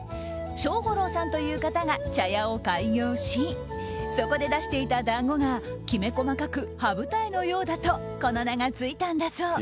庄五郎さんという方が茶屋を開業しそこで出していた団子がきめ細かく羽二重のようだとこの名がついたんだそう。